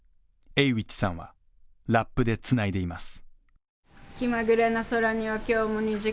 Ａｗｉｃｈさんは、ラップでつないでいます。